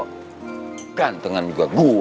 sok kegantengan banget sih itu cowok